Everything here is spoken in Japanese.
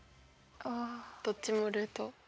あどっちもルート。